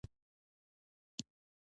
لرګی د پخلنځي او کوټې ترمنځ پرده جوړوي.